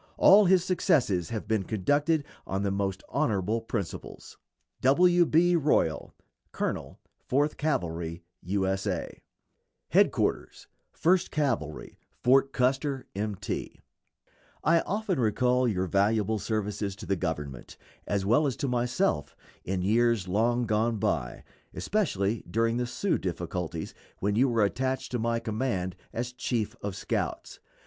All his successes have been conducted on the most honorable principles. W. B. ROYALL, Colonel Fourth Cavalry U. S. A. [Illustration: BREVET BRIGADIER GENERAL N. A. M. DUDLEY.] HEADQUARTERS FIRST CAVALRY, FORT CUSTER, M. T. I often recall your valuable services to the Government, as well as to myself, in years long gone by, especially during the Sioux difficulties, when you were attached to my command as chief of scouts.